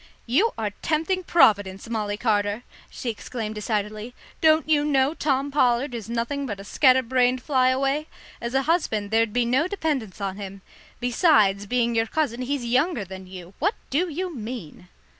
"You are tempting Providence, Molly Carter," she exclaimed decidedly. "Don't you know Tom Pollard is nothing but a scatter brained fly away? As a husband there'd be no dependence on him. Besides being your cousin, he's younger than you. What do you mean?"